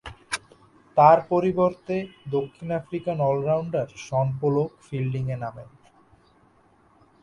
তার পরিবর্তে দক্ষিণ আফ্রিকান অল-রাউন্ডার শন পোলক ফিল্ডিংয়ে নামেন।